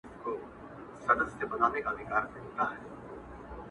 چي له هیبته به یې سرو سترگو اورونه شیندل,